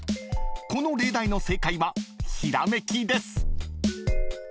［この例題の正解は「ひらめき」です］